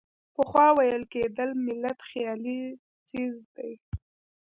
پخوا ویل کېدل ملت خیالي څیز دی.